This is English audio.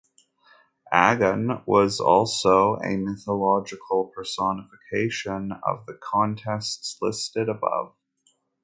Agon was also a mythological personification of the contests listed above.